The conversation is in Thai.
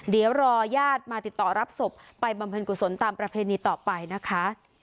เดี๋ยวรอญาติมาติดต่อรับศพไปบำเพ็ญกุศลตามประเพณีต่อไปนะคะ